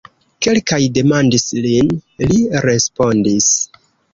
Kelkaj demandis lin, li respondis.